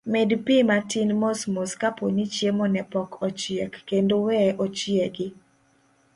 Med pii matin mos mos kaponi chiemo ne pok ochiek, kendo weye ochiegi.